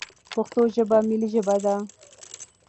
پښتو زموږ ملي ژبه ده.